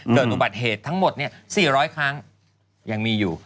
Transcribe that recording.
เกิดอุบัติเหตุทั้งหมด๔๐๐ครั้งยังมีอยู่